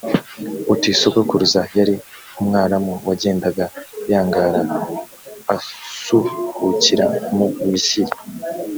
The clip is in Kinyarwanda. uti; sogokuruza yari umwaramu wagendaga yangara, asuhukira mu misiri;